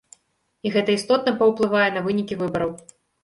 І гэта істотна паўплывае на вынікі выбараў.